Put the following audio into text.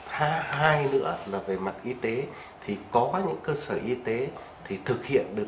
hai nữa là về mặt y tế thì có những cơ sở y tế thì thực hiện được